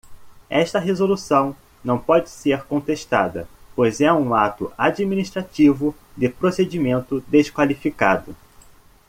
Esta resolução não pode ser contestada, pois é um ato administrativo de procedimento desqualificado.